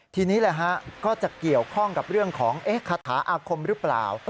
ทีนี้แหละฮะก็จะเกี่ยวข้องกับเรื่องของคาถาอาคมหรือเปล่า